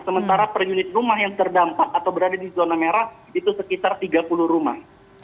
sementara per unit rumah yang terdampak atau berada di zona merah itu sekitar tiga puluh rumah